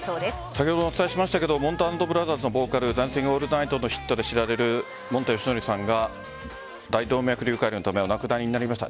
先ほどお伝えしましたがもんた＆ブラザーズのボーカル「ダンシング・オールナイト」のヒットで知られるもんたよしのりさんが大動脈解離のためお亡くなりになりました。